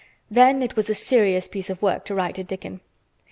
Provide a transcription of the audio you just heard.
Then it was a serious piece of work to write to Dickon.